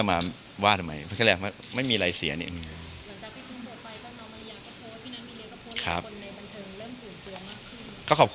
ผลกระทบมันมากกว่าที่เราคิดเยอะนะครับ